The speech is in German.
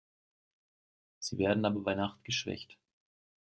Sie werden aber bei Nacht geschwächt.